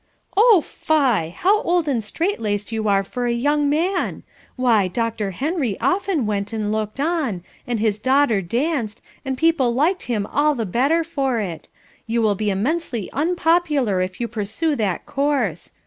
"Oh fie! How old and strait laced you are for a young man; why Dr. Henry often went and looked on, and his daughter danced, and people liked him all the better for it. You will be immensely unpopular if you pursue that course.